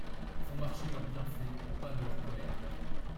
Font marcher leurs bienfaits aux pas de leurs colères.